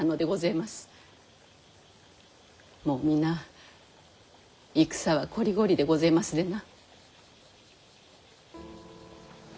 もう皆戦はこりごりでごぜえますでな。